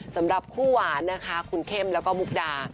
สำหรับคู่หวานนะคะคุณเข้มแล้วก็มุกดา